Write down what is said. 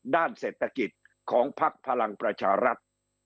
ด้านเศรษฐกิจของพักพลังประชารัฐ